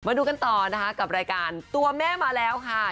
มาดูกันต่อนะคะกับรายการตัวแม่มาแล้วค่ะ